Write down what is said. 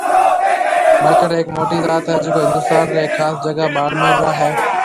مڙکٽ هڪ موٽي ذات هيَ جيڪو هندوستان رِي هڪ کاس جگا ٻاݪميڙ را هيَ۔